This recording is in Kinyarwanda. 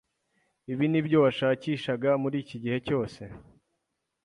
Ibi nibyo washakishaga muri iki gihe cyose?